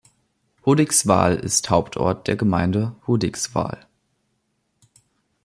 Hudiksvall ist Hauptort der Gemeinde Hudiksvall.